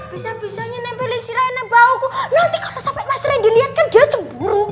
bisa bisanya nempelin si rene bauku nanti kalau sampai mas ren dilihat kan dia cemburu